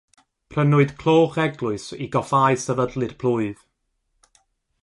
Prynwyd cloch eglwys i goffáu sefydlu'r Plwyf.